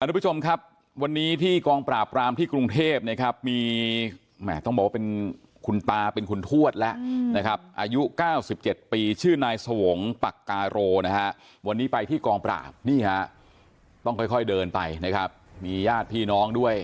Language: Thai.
สวัสดีคุณผู้ชมครับวันนี้ที่กองปราบรามที่กรุงเทพฯมีคุณตาคุณทวชอายุ๙๗ปีชื่อนายสวงปักกาโรวันนี้ไปที่กองปราบต้องค่อยเดินไปมีญาติพี่น้องด้วย